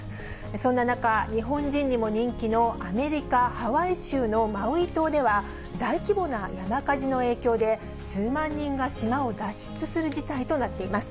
そんな中、日本人にも人気のアメリカ・ハワイ州のマウイ島では、大規模な山火事の影響で、数万人が島を脱出する事態となっています。